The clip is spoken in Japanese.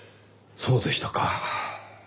そうでしたか。